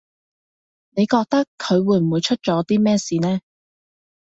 你覺得佢會唔會出咗啲咩事呢